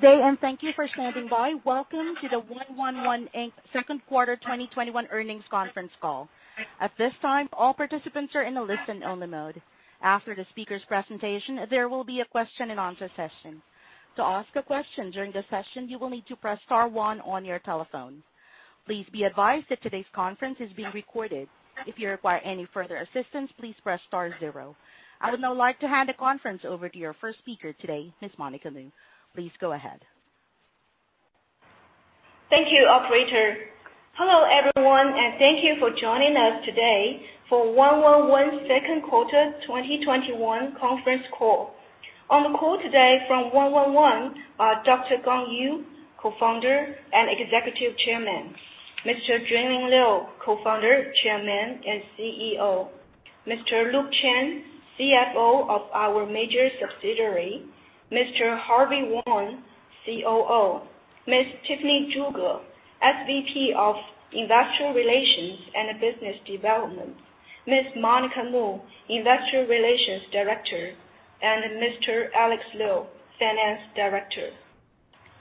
Good day, and thank you for standing by. Welcome to the 111, Inc. second quarter 2021 earnings conference call. At this time, all participants are in a listen-only mode. After the speakers' presentation, there will be a question and answer session. To ask a question during the session, you will need to press star one on your telephone. Please be advised that today's content is being recorded. If you require any further assistance, please press star zero. I would now like to hand the conference over to your first speaker today, Ms. Monica Mu. Please go ahead. Thank you, Operator. Hello, everyone, and thank you for joining us today for 111, Inc.'s second quarter 2021 conference call. On the call today from 111 are Dr. Gang Yu, Co-Founder and Executive Chairman. Mr. Junling Liu, Co-Founder, Chairman, and Chief Executive Officer. Mr. Luke Chen, CFO of our major subsidiary. Mr. Harvey Wang, COO. Ms. Tiffany ZhuGe, SVP of Investor Relations and Business Development. Ms. Monica Mu, Investor Relations Director, and Mr. Alex Liu, Finance Director.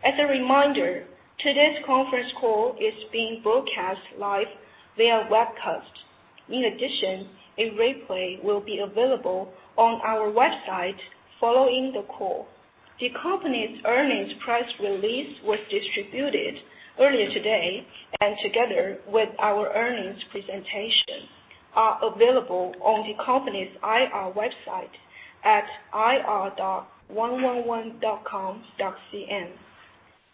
As a reminder, today's conference call is being broadcast live via webcast. In addition, a replay will be available on our website following the call. The company's earnings press release was distributed earlier today, and together with our earnings presentation, are available on the company's IR website at ir.111.com.cn.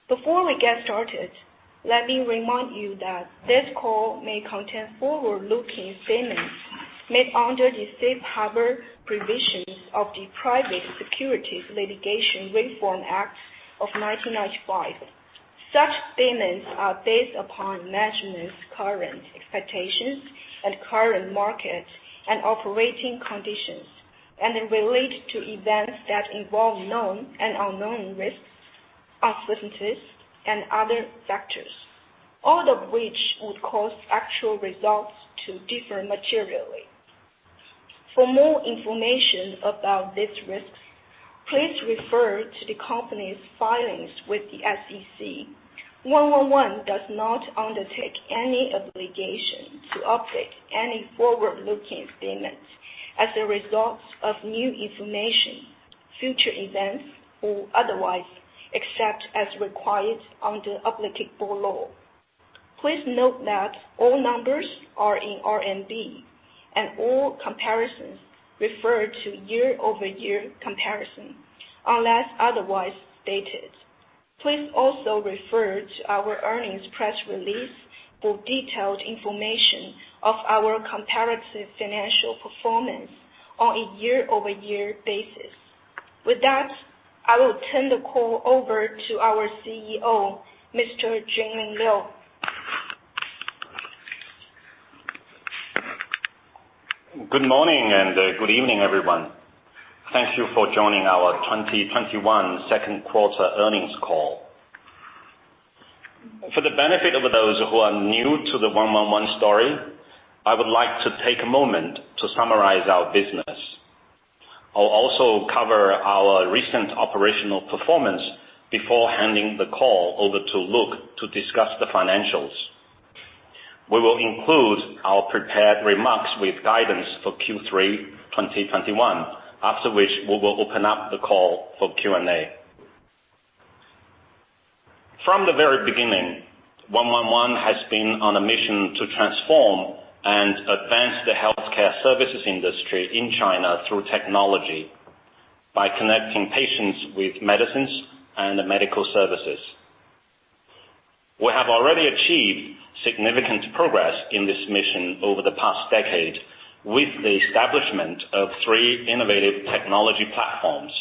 Before we get started, let me remind you that this call may contain forward-looking statements made under the safe harbor provisions of the Private Securities Litigation Reform Act of 1995. Such statements are based upon management's current expectations and current market and operating conditions, and they relate to events that involve known and unknown risks, uncertainties, and other factors, all of which would cause actual results to differ materially. For more information about these risks, please refer to the company's filings with the SEC. 111 does not undertake any obligation to update any forward-looking statements as a result of new information, future events, or otherwise, except as required under applicable law. Please note that all numbers are in RMB, and all comparisons refer to year-over-year comparison unless otherwise stated. Please also refer to our earnings press release for detailed information of our comparative financial performance on a year-over-year basis. With that, I will turn the call over to our CEO, Mr. Junling Liu. Good morning and good evening, everyone. Thank you for joining our 2021 second quarter earnings call. For the benefit of those who are new to the 111 story, I would like to take a moment to summarize our business. I will also cover our recent operational performance before handing the call over to Luke to discuss the financials. We will include our prepared remarks with guidance for Q3 2021, after which we will open up the call for Q&A. From the very beginning, 111 has been on a mission to transform and advance the healthcare services industry in China through technology by connecting patients with medicines and medical services. We have already achieved significant progress in this mission over the past decade with the establishment of three innovative technology platforms.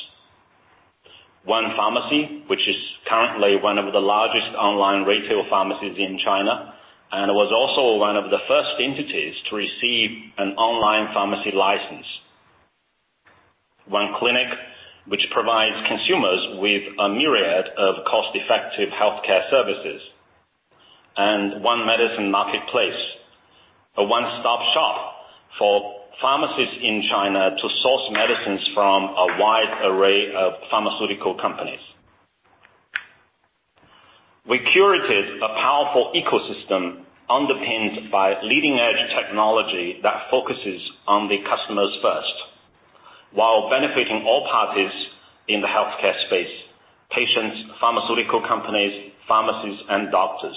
1 Pharmacy, which is currently one of the largest online retail pharmacies in China, and was also one of the first entities to receive an online pharmacy license. 1 Clinic, which provides consumers with a myriad of cost-effective healthcare services. 1 Medicine Marketplace, a one-stop shop for pharmacies in China to source medicines from a wide array of pharmaceutical companies. We curated a powerful ecosystem underpinned by leading-edge technology that focuses on the customers first while benefiting all parties in the healthcare space, patients, pharmaceutical companies, pharmacies, and doctors.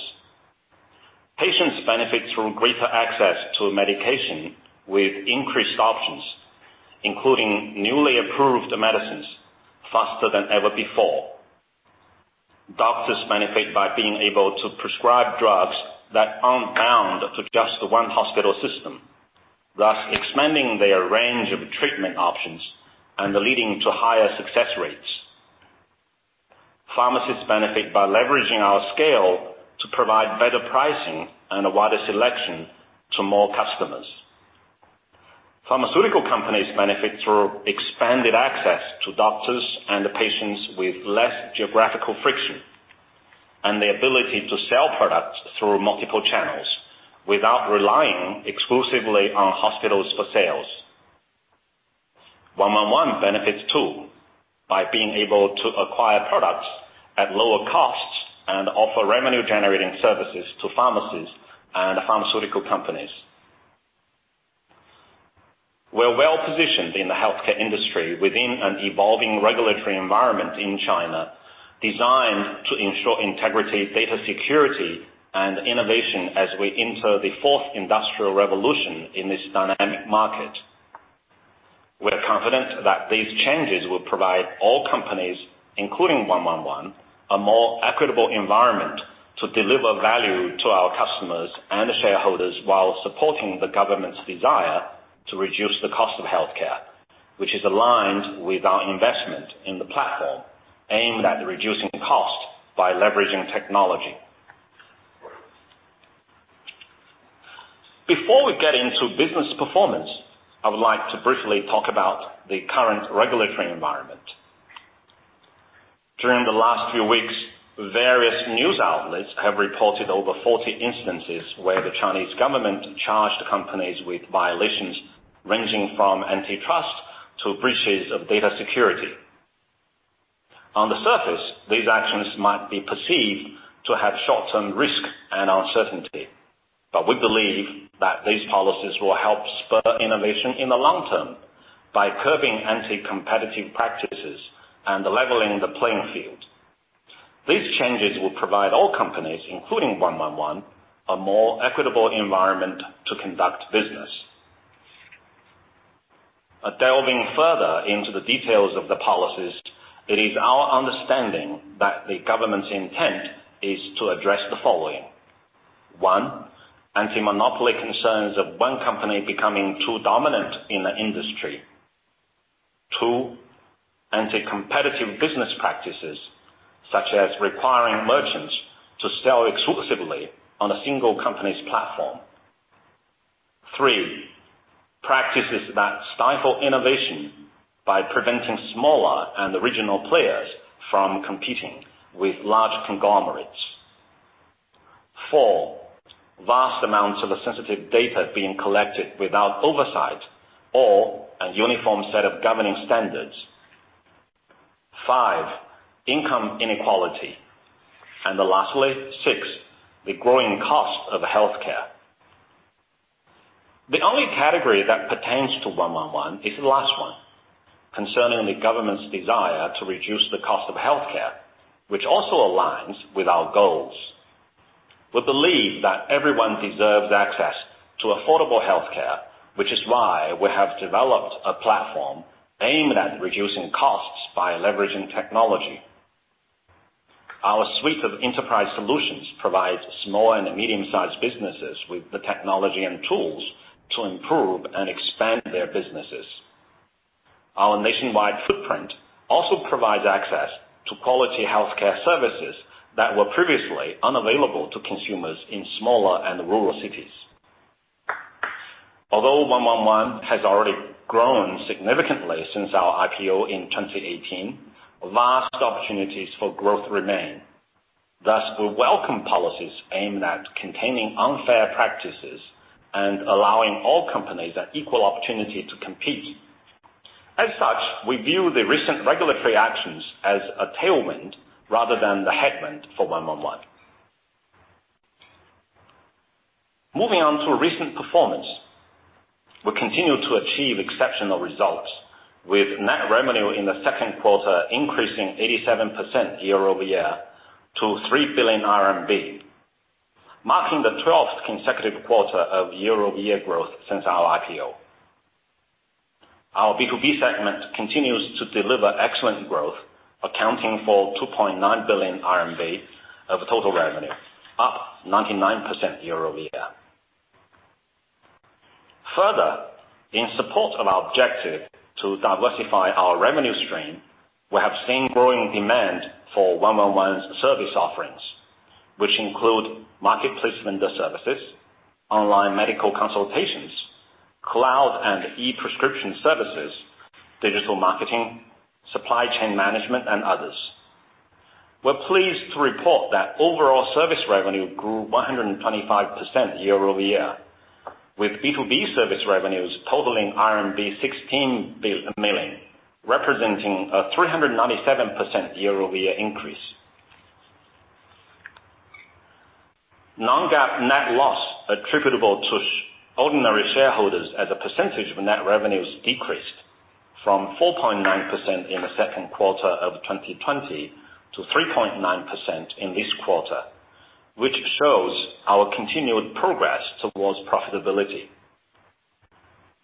Patients benefit through greater access to medication with increased options, including newly approved medicines faster than ever before. Doctors benefit by being able to prescribe drugs that aren't bound to just one hospital system, thus expanding their range of treatment options and leading to higher success rates. Pharmacists benefit by leveraging our scale to provide better pricing and a wider selection to more customers. Pharmaceutical companies benefit through expanded access to doctors and the patients with less geographical friction and the ability to sell products through multiple channels without relying exclusively on hospitals for sales. 111 benefits too by being able to acquire products at lower costs and offer revenue-generating services to pharmacies and pharmaceutical companies. We're well-positioned in the healthcare industry within an evolving regulatory environment in China designed to ensure integrity, data security, and innovation as we enter the fourth industrial revolution in this dynamic market. We're confident that these changes will provide all companies, including 111, a more equitable environment to deliver value to our customers and shareholders while supporting the government's desire to reduce the cost of healthcare, which is aligned with our investment in the platform aimed at reducing cost by leveraging technology. Before we get into business performance, I would like to briefly talk about the current regulatory environment. During the last few weeks, various news outlets have reported over 40 instances where the Chinese government charged companies with violations ranging from antitrust to breaches of data security. On the surface, these actions might be perceived to have short-term risk and uncertainty, but we believe that these policies will help spur innovation in the long term by curbing anti-competitive practices and leveling the playing field. These changes will provide all companies, including 111, a more equitable environment to conduct business. Delving further into the details of the policies, it is our understanding that the government's intent is to address the following. One, anti-monopoly concerns of one company becoming too dominant in the industry. Two, anti-competitive business practices, such as requiring merchants to sell exclusively on a single company's platform. Three, practices that stifle innovation by preventing smaller and regional players from competing with large conglomerates. Four, vast amounts of sensitive data being collected without oversight or a uniform set of governing standards. Five, income inequality. Lastly, six, the growing cost of healthcare. The only category that pertains to 111 is the last one, concerning the government's desire to reduce the cost of healthcare, which also aligns with our goals. We believe that everyone deserves access to affordable healthcare, which is why we have developed a platform aimed at reducing costs by leveraging technology. Our suite of enterprise solutions provides small and medium-sized businesses with the technology and tools to improve and expand their businesses. Our nationwide footprint also provides access to quality healthcare services that were previously unavailable to consumers in smaller and rural cities. Although 111 has already grown significantly since our IPO in 2018, vast opportunities for growth remain. Thus, we welcome policies aimed at containing unfair practices and allowing all companies an equal opportunity to compete. As such, we view the recent regulatory actions as a tailwind rather than the headwind for 111. Moving on to recent performance. We continue to achieve exceptional results, with net revenue in the second quarter increasing 87% year-over-year to 3 billion RMB, marking the 12th consecutive quarter of year-over-year growth since our IPO. Our B2B segment continues to deliver excellent growth, accounting for 2.9 billion RMB of total revenue, up 99% year-over-year. Further, in support of our objective to diversify our revenue stream, we have seen growing demand for 111's service offerings, which include market placement services, online medical consultations, cloud and e-prescription services, digital marketing, supply chain management, and others. We're pleased to report that overall service revenue grew 125% year-over-year, with B2B service revenues totaling RMB 16 million, representing a 397% year-over-year increase. Non-GAAP net loss attributable to ordinary shareholders as a percentage of net revenues decreased from 4.9% in the second quarter of 2020 to 3.9% in this quarter, which shows our continued progress towards profitability.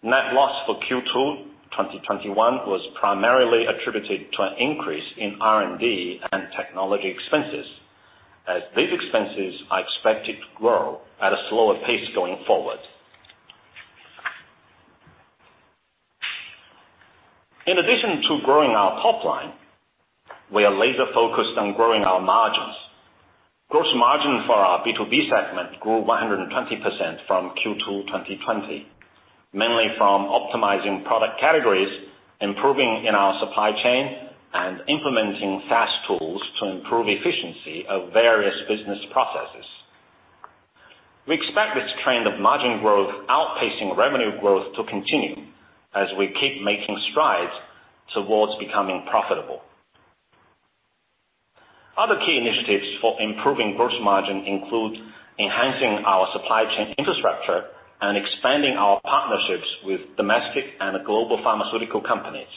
Net loss for Q2 2021 was primarily attributed to an increase in R&D and technology expenses, as these expenses are expected to grow at a slower pace going forward. In addition to growing our top line, we are laser-focused on growing our margins. Gross margin for our B2B segment grew 120% from Q2 2020, mainly from optimizing product categories, improving in our supply chain, and implementing Saas tools to improve efficiency of various business processes. We expect this trend of margin growth outpacing revenue growth to continue as we keep making strides towards becoming profitable. Other key initiatives for improving gross margin include enhancing our supply chain infrastructure and expanding our partnerships with domestic and global pharmaceutical companies.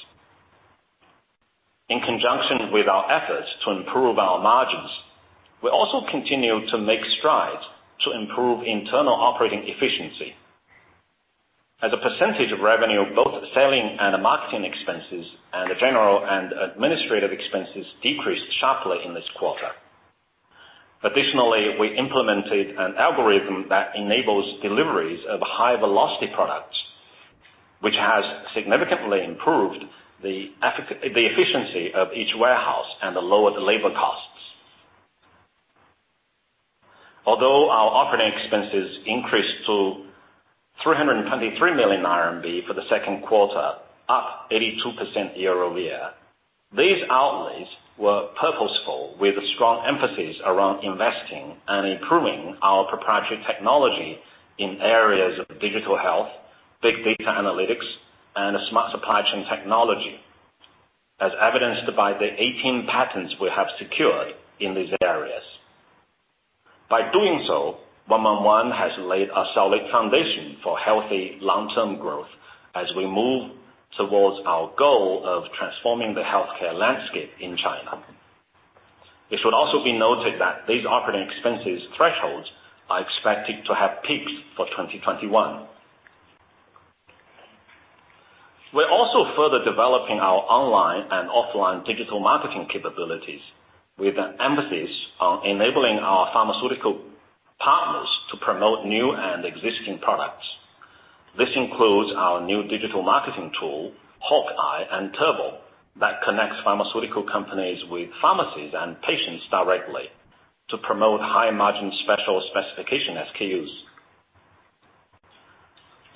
In conjunction with our efforts to improve our margins, we also continue to make strides to improve internal operating efficiency. As a percentage of revenue, both selling and marketing expenses, and the general and administrative expenses decreased sharply in this quarter. Additionally, we implemented an algorithm that enables deliveries of high-velocity products, which has significantly improved the efficiency of each warehouse and lowered labor costs. Although our operating expenses increased to 323 million RMB for the second quarter, up 82% year-over-year, these outlays were purposeful, with a strong emphasis around investing in improving our proprietary technology in areas of digital health, big data analytics, and SMART supply chain technology, as evidenced by the 18 patents we have secured in these areas. By doing so, 111 has laid a solid foundation for healthy long-term growth as we move towards our goal of transforming the healthcare landscape in China. It should also be noted that these operating expenses thresholds are expected to have peaks for 2021. We're also further developing our online and offline digital marketing capabilities with an emphasis on enabling our pharmaceutical partners to promote new and existing products. This includes our new digital marketing tool, HawkEye and Turbo, that connects pharmaceutical companies with pharmacies and patients directly to promote high-margin special specification SKUs.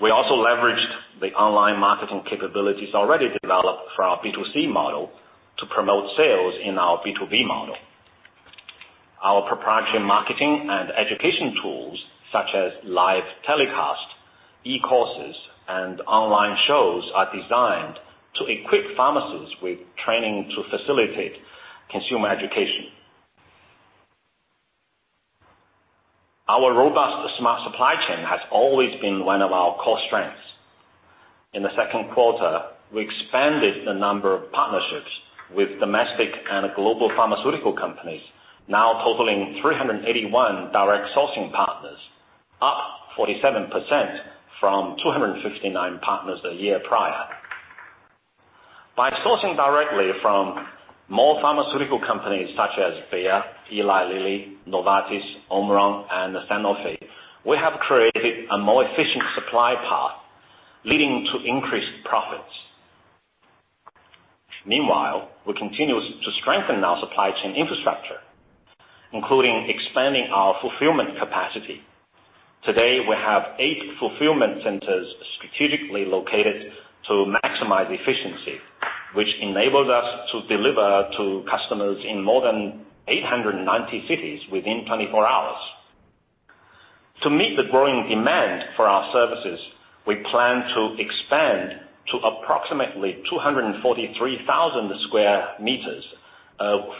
We also leveraged the online marketing capabilities already developed for our B2C model to promote sales in our B2B model. Our proprietary marketing and education tools such as live telecast, e-courses, and online shows are designed to equip pharmacies with training to facilitate consumer education. Our robust SMART supply chain has always been one of our core strengths. In the second quarter, we expanded the number of partnerships with domestic and global pharmaceutical companies, now totaling 381 direct sourcing partners, up 47% from 259 partners a year prior. By sourcing directly from more pharmaceutical companies such as Bayer, Eli Lilly, Novartis, Omron, and Sanofi, we have created a more efficient supply path, leading to increased profits. Meanwhile, we continue to strengthen our supply chain infrastructure, including expanding our fulfillment capacity. Today, we have eight fulfillment centers strategically located to maximize efficiency, which enabled us to deliver to customers in more than 890 cities within 24 hours. To meet the growing demand for our services, we plan to expand to approximately 243,000 sq m of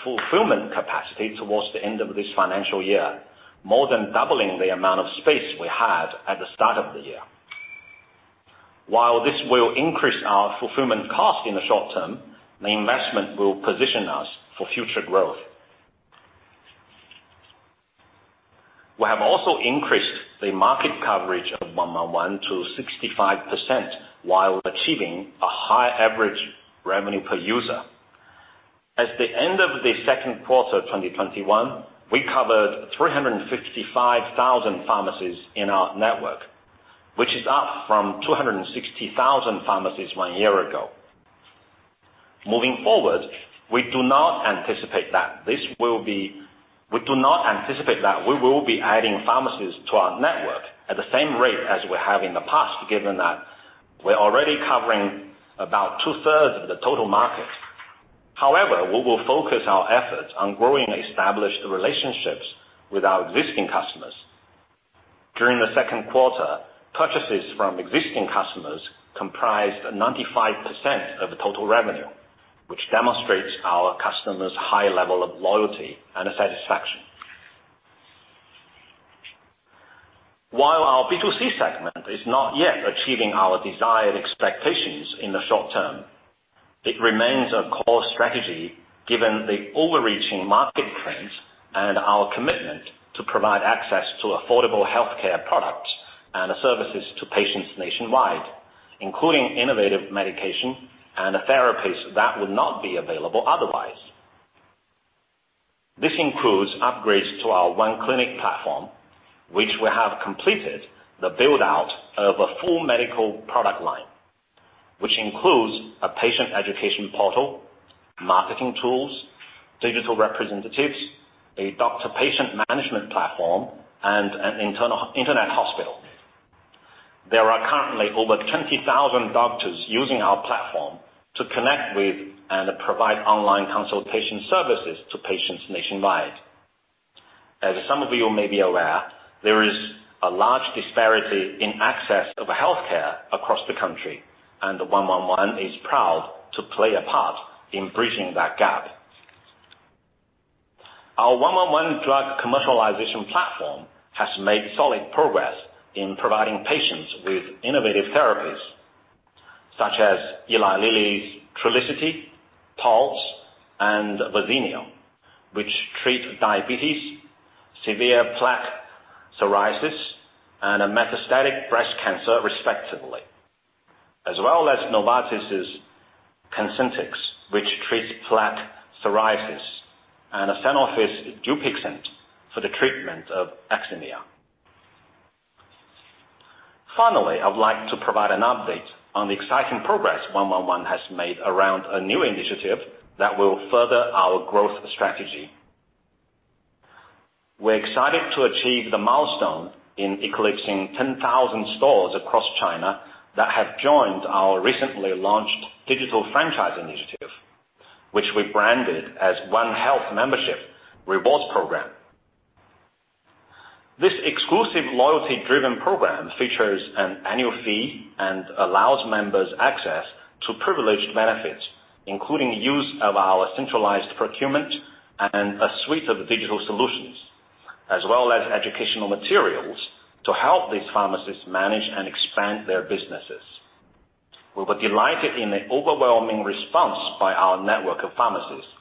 fulfillment capacity towards the end of this financial year, more than doubling the amount of space we had at the start of the year. While this will increase our fulfillment cost in the short term, the investment will position us for future growth. We have also increased the market coverage of 111 to 65%, while achieving a high average revenue per user. At the end of the second quarter 2021, we covered 355,000 pharmacies in our network, which is up from 260,000 pharmacies one year ago. Moving forward, we do not anticipate that we will be adding pharmacies to our network at the same rate as we have in the past, given that we're already covering about 2/3 of the total market. However, we will focus our efforts on growing established relationships with our existing customers. During the second quarter, purchases from existing customers comprised 95% of the total revenue, which demonstrates our customers' high level of loyalty and satisfaction. While our B2C segment is not yet achieving our desired expectations in the short term, it remains a core strategy given the overarching market trends and our commitment to provide access to affordable healthcare products and services to patients nationwide, including innovative medication and therapies that would not be available otherwise. This includes upgrades to our 1 Clinic platform, which we have completed the build-out of a full medical product line, which includes a patient education portal, marketing tools, digital representatives, a doctor-patient management platform, and an internet hospital. Currently over 20,000 doctors using our platform to connect with and provide online consultation services to patients nationwide. As some of you may be aware, there is a large disparity in access of healthcare across the country, the 111 is proud to play a part in bridging that gap. Our 111 drug commercialization platform has made solid progress in providing patients with innovative therapies, such as Eli Lilly's Trulicity, Taltz, and Verzenio, which treat diabetes, severe plaque psoriasis, and a metastatic breast cancer respectively, as well as Novartis' COSENTYX, which treats plaque psoriasis, and Sanofi's DUPIXENT for the treatment of eczema. Finally, I would like to provide an update on the exciting progress 111 has made around a new initiative that will further our growth strategy. We're excited to achieve the milestone in eclipsing 10,000 stores across China that have joined our recently launched digital franchise initiative, which we branded as 1 Health Membership Rewards Program. This exclusive loyalty-driven program features an annual fee and allows members access to privileged benefits, including use of our centralized procurement and a suite of digital solutions, as well as educational materials to help these pharmacists manage and expand their businesses. We were delighted in the overwhelming response by our network of pharmacists,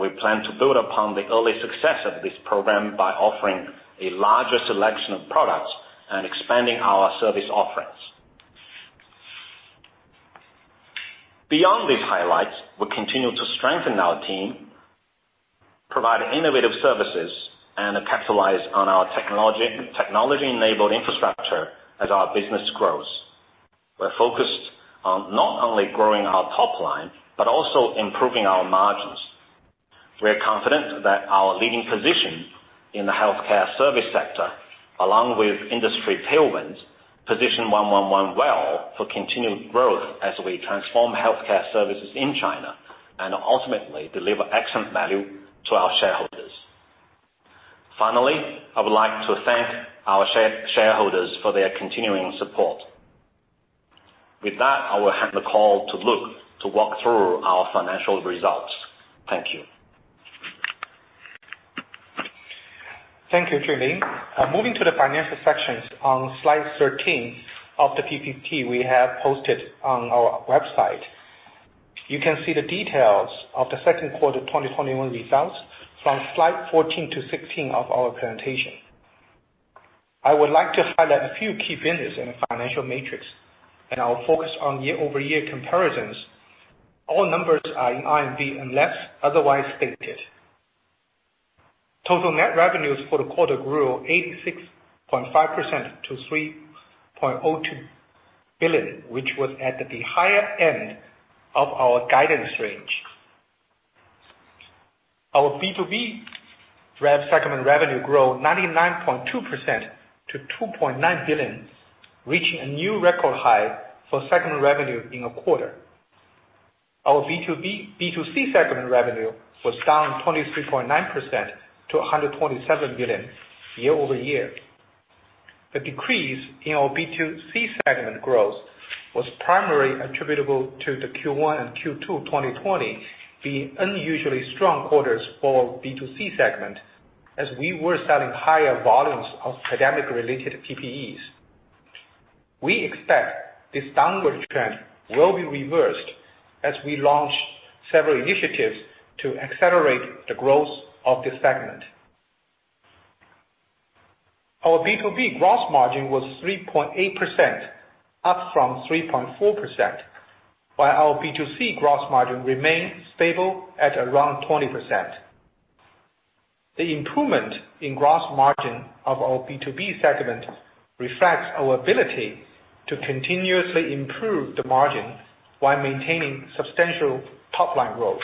we plan to build upon the early success of this program by offering a larger selection of products and expanding our service offerings. Beyond these highlights, we continue to strengthen our team, provide innovative services, and capitalize on our technology-enabled infrastructure as our business grows. We're focused on not only growing our top line, but also improving our margins. We are confident that our leading position in the healthcare service sector, along with industry tailwinds, position 111 well for continued growth as we transform healthcare services in China, and ultimately deliver excellent value to our shareholders. Finally, I would like to thank our shareholders for their continuing support. With that, I will hand the call to Luke to walk through our financial results. Thank you. Thank you, Junling. Moving to the financial sections on slide 13 of the PPT we have posted on our website. You can see the details of the second quarter 2021 results from slide 14-16 of our presentation. I would like to highlight a few key business in the financial metrics, and I will focus on year-over-year comparisons. All numbers are in RMB unless otherwise stated. Total net revenues for the quarter grew 86.5% to 3.02 billion, which was at the higher end of our guidance range. Our B2B segment revenue grew 99.2% to 2.9 billion, reaching a new record high for segment revenue in a quarter. Our B2C segment revenue was down 23.9% to 127 million year-over-year. The decrease in our B2C segment growth was primarily attributable to the Q1 and Q2 2020, the unusually strong quarters for B2C segment as we were selling higher volumes of pandemic related PPEs. We expect this downward trend will be reversed as we launch several initiatives to accelerate the growth of this segment. Our B2B gross margin was 3.8%, up from 3.4%, while our B2C gross margin remained stable at around 20%. The improvement in gross margin of our B2B segment reflects our ability to continuously improve the margin while maintaining substantial top-line growth.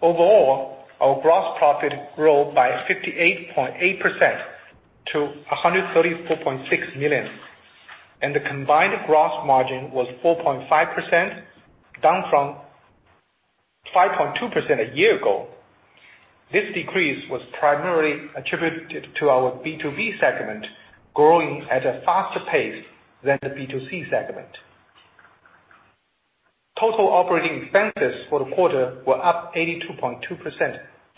Overall, our gross profit grew by 58.8% to 134.6 million, and the combined gross margin was 4.5%, down from 5.2% a year ago. This decrease was primarily attributed to our B2B segment growing at a faster pace than the B2C segment. Total operating expenses for the quarter were up 82.2%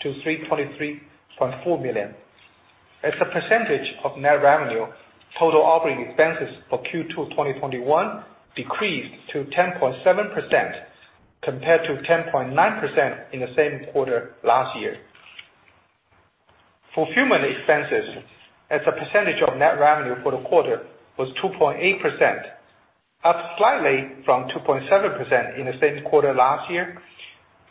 to 323.4 million. As a percentage of net revenue, total operating expenses for Q2 2021 decreased to 10.7% compared to 10.9% in the same quarter last year. Fulfillment expenses as a percentage of net revenue for the quarter was 2.8%, up slightly from 2.7% in the same quarter last year.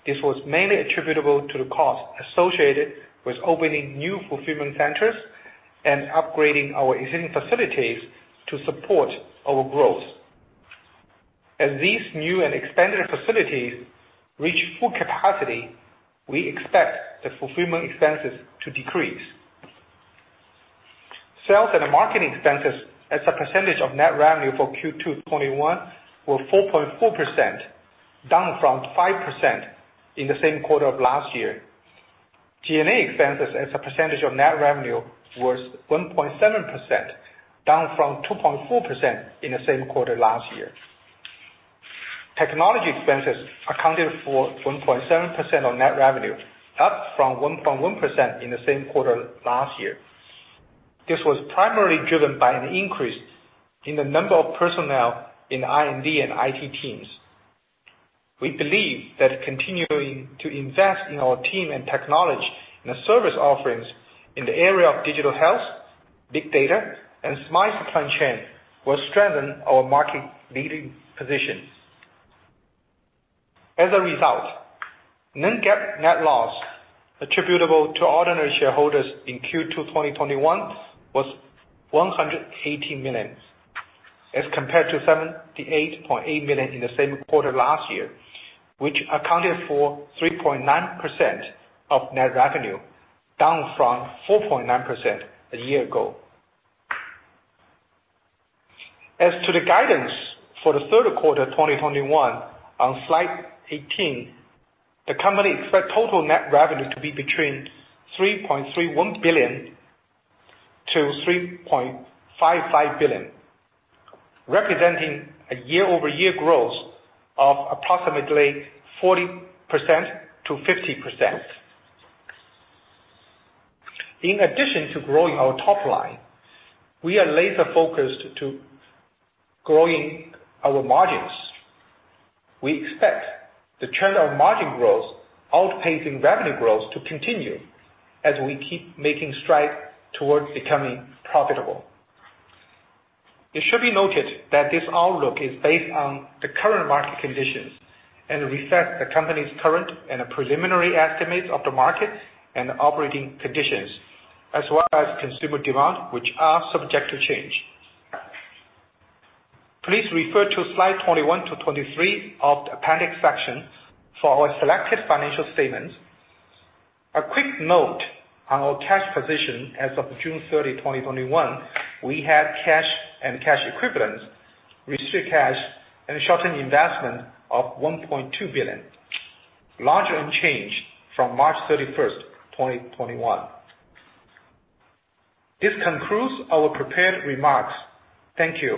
This was mainly attributable to the cost associated with opening new fulfillment centers and upgrading our existing facilities to support our growth. As these new and expanded facilities reach full capacity, we expect the fulfillment expenses to decrease. Sales and marketing expenses as a percentage of net revenue for Q2 2021 were 4.4%, down from 5% in the same quarter of last year. G&A expenses as a percentage of net revenue was 1.7%, down from 2.4% in the same quarter last year. Technology expenses accounted for 1.7% of net revenue, up from 1.1% in the same quarter last year. This was primarily driven by an increase in the number of personnel in R&D and IT teams. We believe that continuing to invest in our team and technology in the service offerings in the area of digital health, big data, and SMART supply chain will strengthen our market-leading position. As a result, non-GAAP net loss attributable to ordinary shareholders in Q2 2021 was 118 million as compared to 78.8 million in the same quarter last year, which accounted for 3.9% of net revenue, down from 4.9% a year ago. As to the guidance for the third quarter 2021, on slide 18, the company expects total net revenue to be between 3.31 billion-3.55 billion, representing a year-over-year growth of approximately 40%-50%. In addition to growing our top line, we are laser-focused to growing our margins. We expect the trend of margin growth outpacing revenue growth to continue as we keep making strides towards becoming profitable. It should be noted that this outlook is based on the current market conditions and reflects the company's current and preliminary estimates of the market and operating conditions as well as consumer demand, which are subject to change. Please refer to slide 21-23 of the appendix section for our selected financial statements. A quick note on our cash position as of June 30, 2021. We had cash and cash equivalents, restricted cash, and short-term investment of 1.2 billion, largely unchanged from March 31st, 2021. This concludes our prepared remarks. Thank you.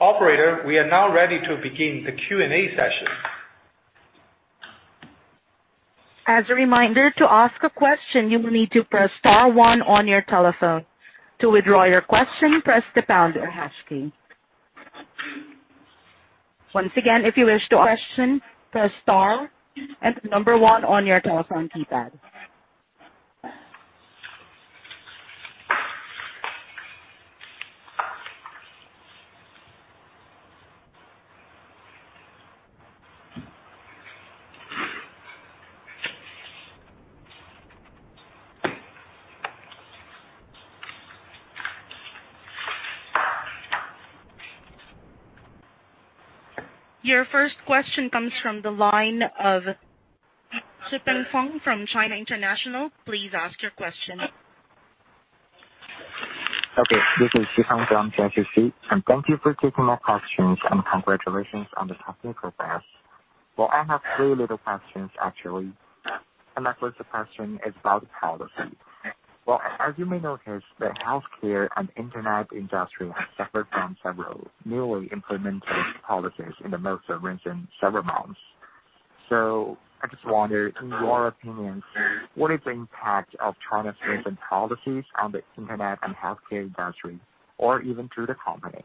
Operator, we are now ready to begin the Q&A session. As a reminder, to ask a question, you will need to press star one on your telephone. To withdraw your question, press the pound or hash key. Once again, if you wish to ask a question, press star and the number one on your telephone keypad. Your first question comes from the line of Xipeng Feng from China International. Please ask your question. Okay. This is Xipeng Feng from CICC. Thank you for taking my questions and congratulations on the company progress. Well, I have three little questions, actually. My first question is about policy. Well, as you may notice, the healthcare and internet industry have suffered from several newly implemented policies in the most recent several months. I just wonder, in your opinions, what is the impact of China's recent policies on the internet and healthcare industry or even to the company?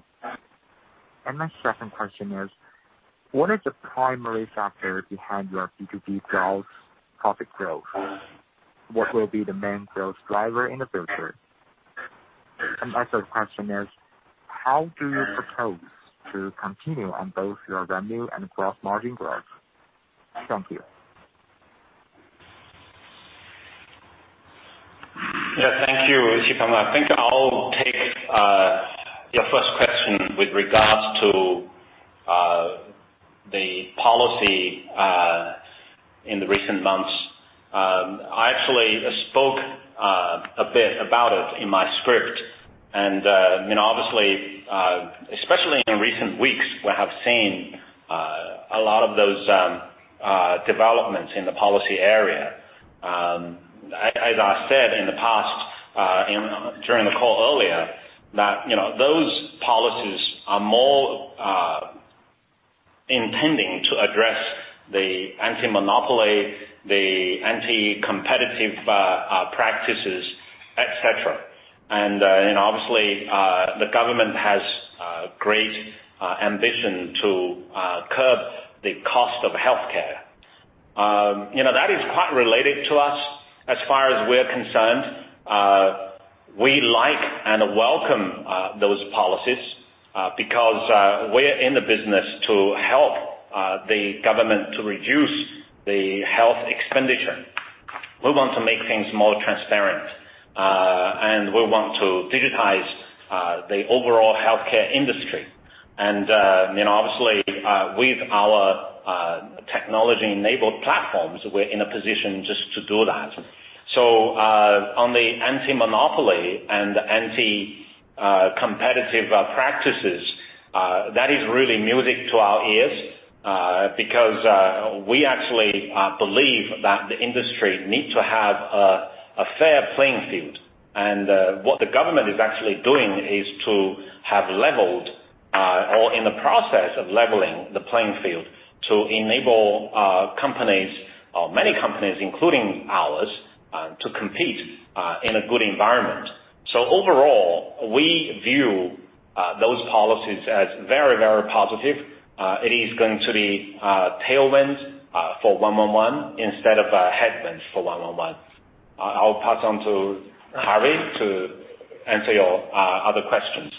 My second question is, what is the primary factor behind your B2B growth, profit growth? What will be the main growth driver in the future? My third question is, how do you propose to continue on both your revenue and gross margin growth? Thank you. Yeah. Thank you, Xipeng Feng. I think I'll take your first question with regards to the policy in the recent months. I actually spoke a bit about it in my script. Obviously, especially in recent weeks, we have seen a lot of those developments in the policy area. As I said in the past during the call earlier that those policies are more intending to address the anti-monopoly, the anti-competitive practices, et cetera. Obviously, the government has great ambition to curb the cost of healthcare. That is quite related to us as far as we're concerned. We like and welcome those policies because we're in the business to help the government to reduce the health expenditure We want to make things more transparent, we want to digitize the overall healthcare industry. Obviously, with our technology-enabled platforms, we're in a position just to do that. On the anti-monopoly and anti-competitive practices, that is really music to our ears, because we actually believe that the industry needs to have a fair playing field. What the government is actually doing is to have leveled or in the process of leveling the playing field to enable many companies, including ours, to compete in a good environment. Overall, we view those policies as very, very positive. It is going to be tailwinds for 111 instead of a headwind for 111. I'll pass on to Harvey to answer your other questions.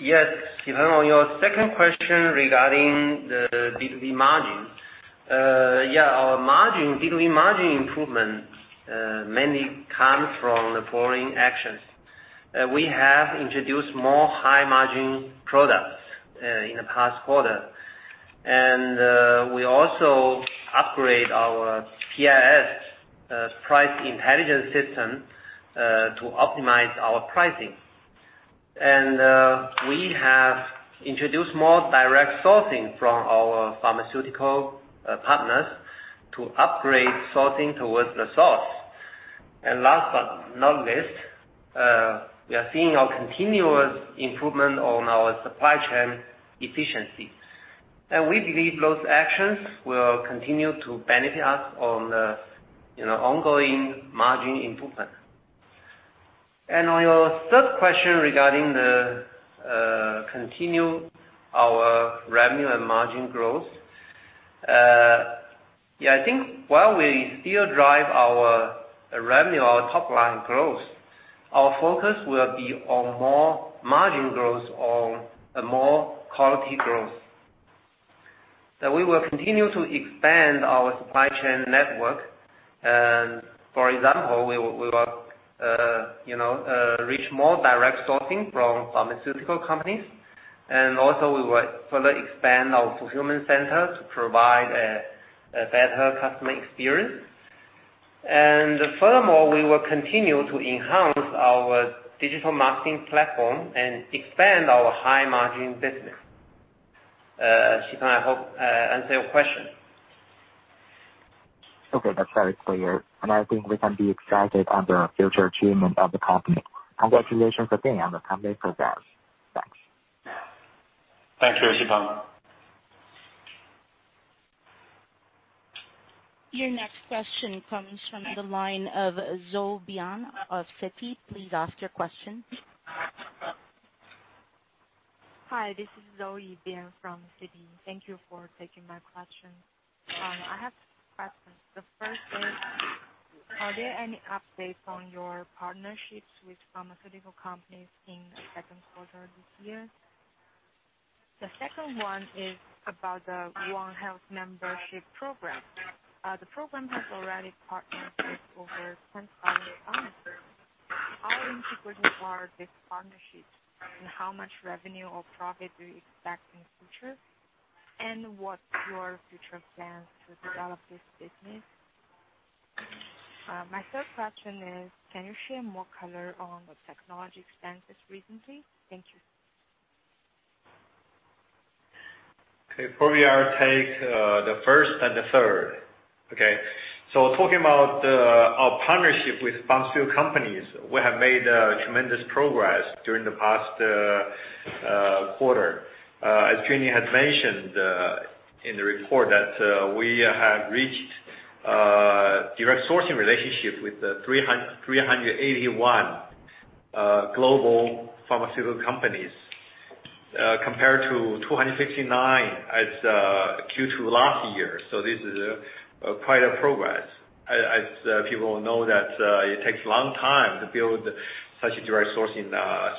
Yes, on your second question regarding the B2B margin. Our B2B margin improvement mainly comes from the following actions. We have introduced more high-margin products in the past quarter, and we also upgrade our PIS, price intelligence system, to optimize our pricing. We have introduced more direct sourcing from our pharmaceutical partners to upgrade sourcing towards the source. Last but not least, we are seeing a continuous improvement on our supply chain efficiency. We believe those actions will continue to benefit us on the ongoing margin improvement. On your third question regarding the continue our revenue and margin growth. I think while we still drive our revenue, our top-line growth, our focus will be on more margin growth or more quality growth. That we will continue to expand our supply chain network. For example, we will reach more direct sourcing from pharmaceutical companies. Also, we will further expand our fulfillment center to provide a better customer experience. Furthermore, we will continue to enhance our digital marketing platform and expand our high-margin business. Xipeng, I hope I answered your question. Okay, that's very clear. I think we can be excited on the future achievement of the company. Congratulations again on the company progress. Thanks. Thank you, Xipeng. Your next question comes from the line of Zoe Bian of Citi. Please ask your question. Hi, this is Zoe Bian from Citi. Thank you for taking my question. I have two questions. The first is, are there any updates on your partnerships with pharmaceutical companies in the second quarter of this year? The second one is about the 1 Health Membership Program. The program has already partnered with over 1,000 pharmacists. How integral are these partnerships, and how much revenue or profit do you expect in future? What's your future plans to develop this business? My third question is, can you share more color on the technology expenses recently? Thank you. Probably I'll take the first and the third. Okay. Talking about our partnership with pharmaceutical companies, we have made tremendous progress during the past quarter. As Junling had mentioned in the report that we have reached a direct sourcing relationship with 381 global pharmaceutical companies compared to 269 as of Q2 last year. This is quite a progress. As people know that it takes a long time to build such a direct sourcing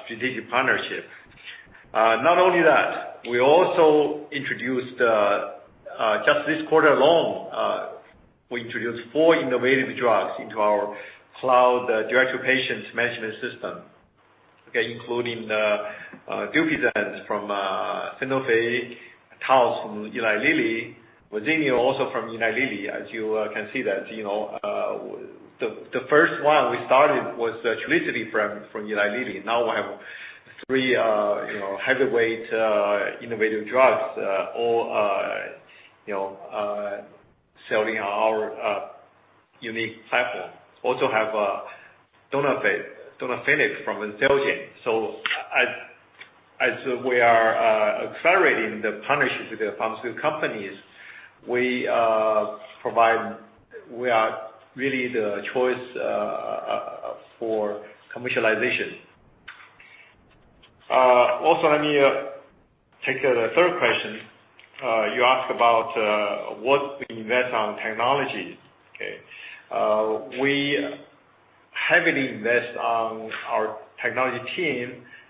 strategic partnership. Not only that, we also introduced, just this quarter alone, we introduced four innovative drugs into our cloud direct-to-patients management system. Okay. Including DUPIXENT from Sanofi, Taltz from Eli Lilly, Verzenio also from Eli Lilly. As you can see that the first one we started was Trulicity from Eli Lilly. Now we have three heavyweight innovative drugs all selling our unique platform. Also have donafenib from Zelgen. As we are accelerating the partnerships with the pharmaceutical companies, we are really the choice for commercialization. Let me take the third question. You asked about what we invest on technology. Okay. Heavily invest on our technology team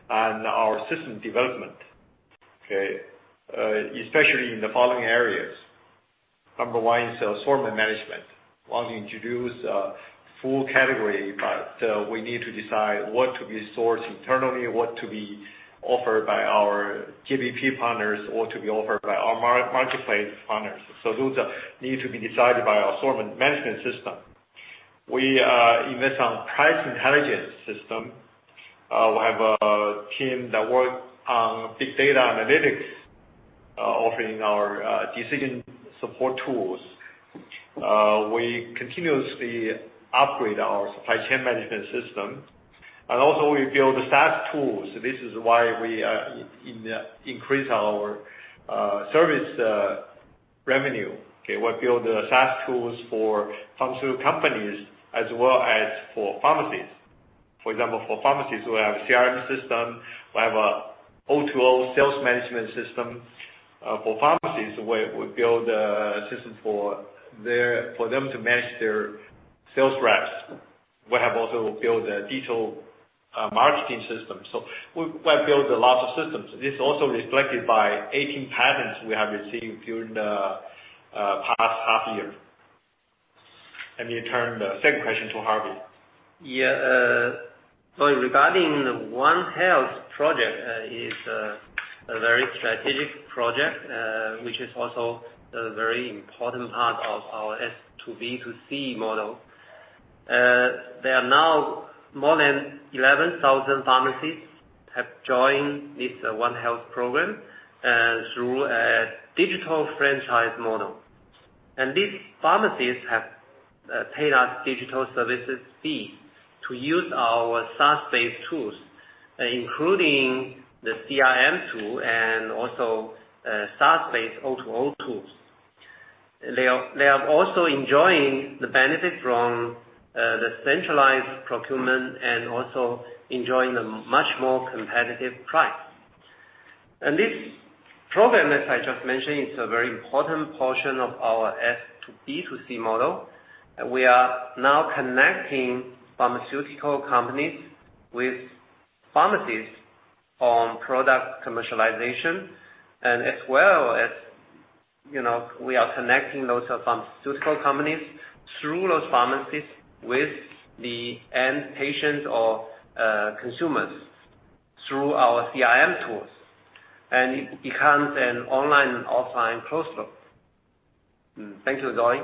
and our system development. Especially in the following areas. Number one is assortment management. We want to introduce a full category, but we need to decide what to resource internally, what to be offered by our GBP Partners, or to be offered by our marketplace partners. Those need to be decided by our assortment management system. We invest on price intelligence system. We have a team that work on big data analytics, offering our decision support tools. We continuously upgrade our supply chain management system, and also we build the SaaS tools. This is why we increase our service revenue. We build the SaaS tools for pharmaceutical companies as well as for pharmacies. For example, for pharmacies, we have CRM system. We have a O2O sales management system. For pharmacies, we build a system for them to manage their sales reps. We have also built a digital marketing system. We have built a lot of systems. This is also reflected by 18 patents we have received during the past half year. Return the same question to Harvey. Regarding the 1 Health project is a very strategic project, which is also a very important part of our S2B2C model. There are now more than 11,000 pharmacies have joined this 1 Health program through a digital franchise model. These pharmacies have paid us digital services fee to use our SaaS-based tools, including the CRM tool and also SaaS-based O2O tools. They are also enjoying the benefit from the centralized procurement and also enjoying a much more competitive price. This program, as I just mentioned, is a very important portion of our S2B2C model. We are now connecting pharmaceutical companies with pharmacies on product commercialization, and as well as we are connecting those pharmaceutical companies through those pharmacies with the end patients or consumers through our CRM tools. It becomes an online and offline closed loop. Thank you, Zoe.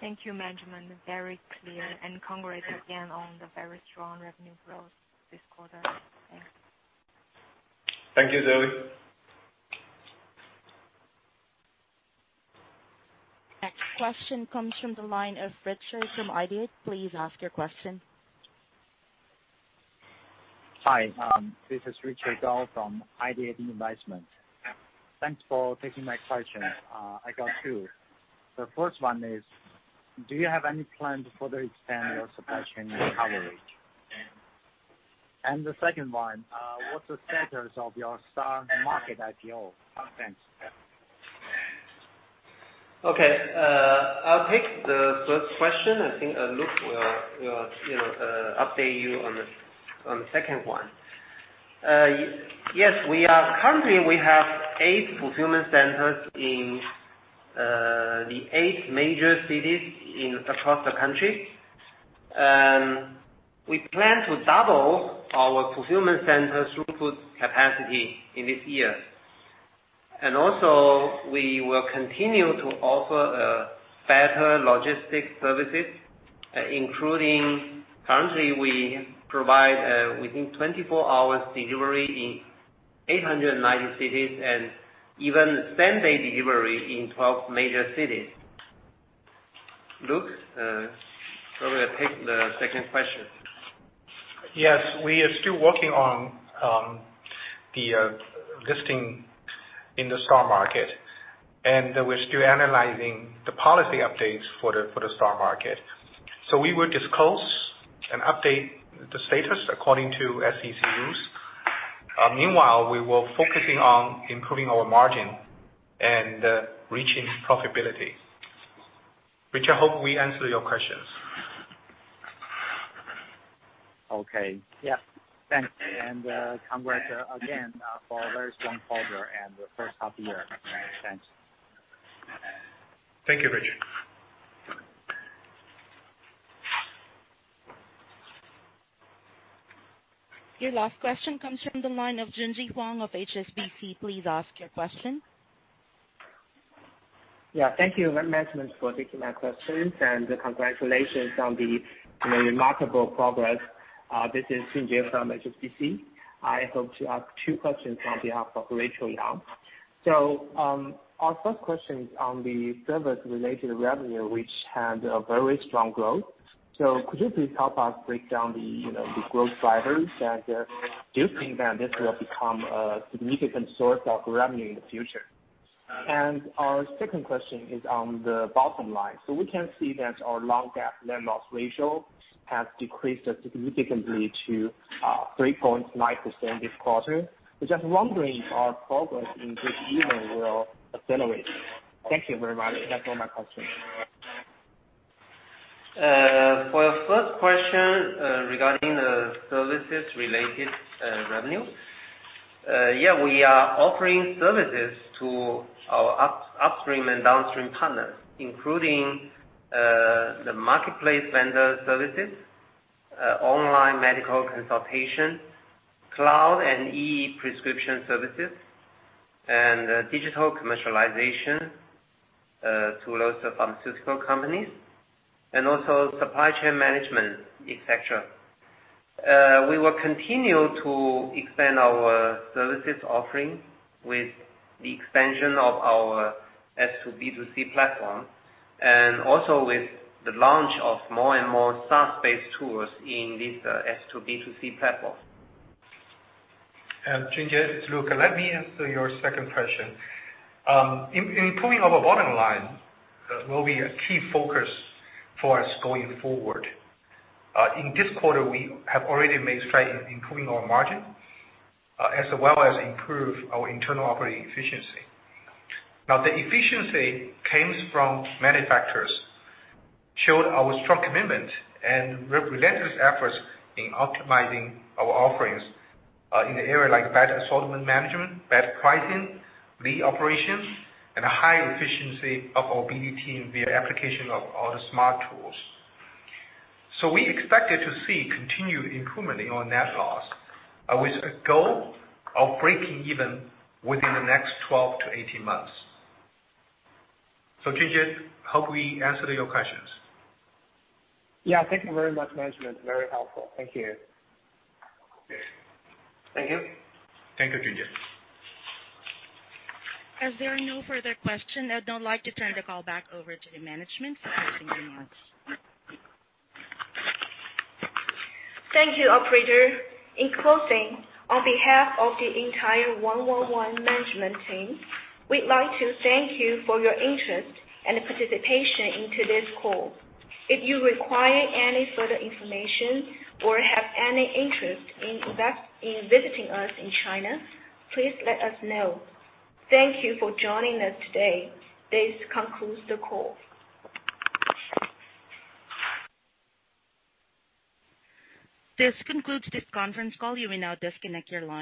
Thank you, management. Very clear. Congrats again on the very strong revenue growth this quarter. Thanks. Thank you, Zoe. Next question comes from the line of Richard from Ideate. Please ask your question. Hi, this is Richard Gao from Ideate Investments. Thanks for taking my question. I got two. The first one is, do you have any plan to further expand your supply chain coverage? The second one, what's the status of your STAR Market IPO? Thanks. Okay. I'll take the first question. I think Luke will update you on the second one. Yes, currently we have eight fulfillment centers in the eight major cities across the country. We plan to double our fulfillment center throughput capacity in this year. Also, we will continue to offer better logistic services, including currently we provide within 24 hours delivery in 890 cities and even same-day delivery in 12 major cities. Luke, you probably take the second question. Yes, we are still working on the listing in the STAR Market, we're still analyzing the policy updates for the STAR Market. We will disclose and update the status according to SEC use. Meanwhile, we will focusing on improving our margin and reaching profitability. Richard, I hope we answered your questions. Okay. Yeah. Thanks. Congrats again for a very strong quarter and the first half of the year. Thanks. Thank you, Richard. Your last question comes from the line of Junjie Huang of HSBC. Please ask your question. Yeah. Thank you management for taking my questions, and congratulations on the remarkable progress. This is Junjie from HSBC. Our first question is on the service-related revenue, which had a very strong growth. Could you please help us break down the growth drivers? Do you think that this will become a significant source of revenue in the future? Our second question is on the bottom line. We can see that your non-GAAP net loss ratio has decreased significantly to 3.9% this quarter. We're just wondering if our progress in this area will accelerate. Thank you very much. That's all my questions. For your first question regarding the services related revenue, we are offering services to our upstream and downstream partners, including the marketplace vendor services, online medical consultation, cloud and e-prescription services, and digital commercialization to lots of pharmaceutical companies, and also supply chain management, et cetera. We will continue to expand our services offering with the expansion of our S2B2C platform, and also with the launch of more and more SaaS-based tools in this S2B2C platform. Junjie, it's Luke. Let me answer your second question. Improving our bottom line will be a key focus for us going forward. In this quarter, we have already made stride in improving our margin, as well as improve our internal operating efficiency. Now the efficiency comes from many factors, showed our strong commitment and relentless efforts in optimizing our offerings in the area like better assortment management, better pricing, lead operations, and a high efficiency of our BD team via application of all the SMART tools. We expected to see continued improvement in our net loss, with a goal of breaking even within the next 12 to 18 months. Junjie, hope we answered your questions. Yeah, thank you very much, management. Very helpful. Thank you. Thank you. Thank you, Junjie. As there are no further questions, I'd now like to turn the call back over to the management for closing remarks. Thank you, operator. In closing, on behalf of the entire 111 management team, we'd like to thank you for your interest and participation in today's call. If you require any further information or have any interest in visiting us in China, please let us know. Thank you for joining us today. This concludes the call. This concludes this conference call. You may now disconnect your line.